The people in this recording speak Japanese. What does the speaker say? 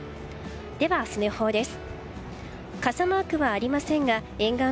では、明日の予報です。